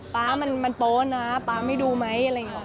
ป๊ามันโป๊ะนะป๊าไม่ดูไหมอะไรอย่างนี้